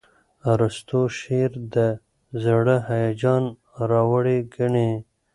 ارستو شعر د زړه هیجان راوړي ګڼي.